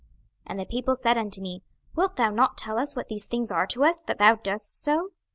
26:024:019 And the people said unto me, Wilt thou not tell us what these things are to us, that thou doest so?